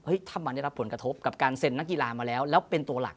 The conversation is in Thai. ถ้ามันได้รับผลกระทบกับการเซ็นนักกีฬามาแล้วแล้วเป็นตัวหลัก